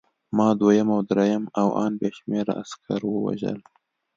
ما دویم او درېیم او ان بې شمېره عسکر ووژل